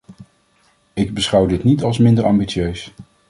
Ik beschouw dit niet als minder ambitieus.